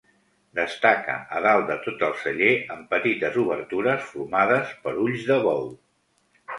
Destaca a dalt de tot el celler amb petites obertures formades per ulls de bou.